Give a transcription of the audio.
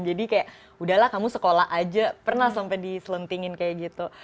jadi kayak udahlah kamu sekolah aja pernah sampai diselentingin kayak gitu